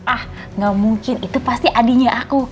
ah nggak mungkin itu pasti adinya aku